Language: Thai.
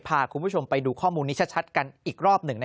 พาคุณผู้ชมไปดูข้อมูลนี้ชัดกันอีกรอบหนึ่ง